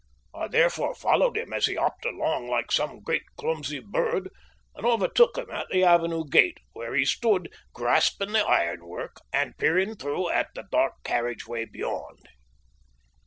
I therefore followed him as he hopped along like some great, clumsy bird, and overtook him at the avenue gate, where he stood grasping the ironwork and peering through at the dark carriage drive beyond.